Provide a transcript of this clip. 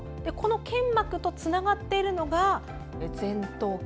腱膜とつながっているのが前頭筋。